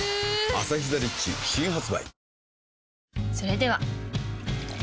「アサヒザ・リッチ」新発売